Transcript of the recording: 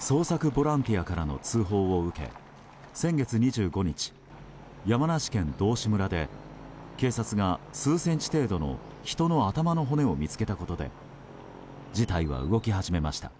捜索ボランティアからの通報を受け先月２５日、山梨県道志村で警察が数センチ程度の人の頭の骨を見つけたことで事態は動き始めました。